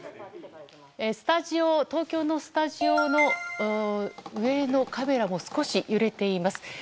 東京のスタジオも上のカメラが少し揺れています。